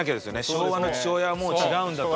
昭和の父親はもう違うんだと。